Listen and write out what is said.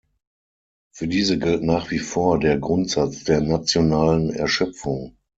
Für diese gilt nach wie vor der Grundsatz der nationalen Erschöpfung.